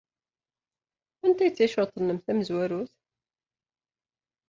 Anta ay d ticreḍt-nnem tamezwarut?